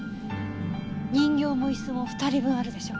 人形もイスも二人分あるでしょ。